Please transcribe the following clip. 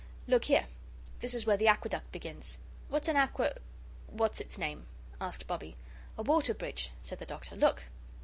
Look here, this is where the Aqueduct begins." "What's an Aque what's its name?" asked Bobbie. "A water bridge," said the Doctor. "Look."